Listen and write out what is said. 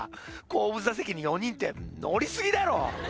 後部座席に４人って乗りすぎだろ！